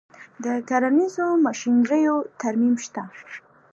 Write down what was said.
د کرنیزو ماشینریو ترمیم شته